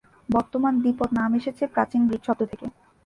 বর্তমান দ্বিপদ নাম এসেছে প্রাচীন গ্রীক শব্দ থেকে।